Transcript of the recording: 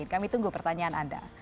kami tunggu pertanyaan anda